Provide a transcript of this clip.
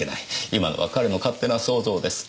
今のは彼の勝手な想像です。